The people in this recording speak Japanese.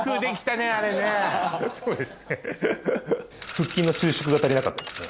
腹筋の収縮が足りなかったですね。